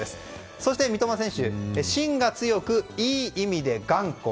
そして三笘選手は芯が強く、いい意味で頑固。